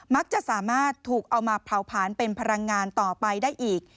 มักจะสามารถถูกเอามาเผาผลาญเป็นพลังงานต่อไปได้อีก